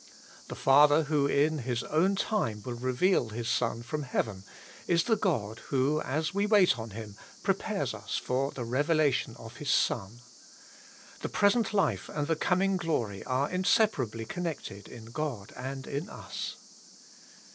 The Father who in His own time will reveal His Son from heaven, is the God who, as we wait on Him, prepares us for the revelation of His Son. The present life and the coming glory are inseparably connected in God and in us.